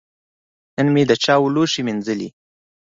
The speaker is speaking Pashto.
نن مې د چای لوښی مینځلي.